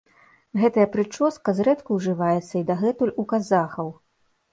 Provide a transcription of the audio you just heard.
Гэтая прычоска зрэдку ўжываецца і дагэтуль у казахаў.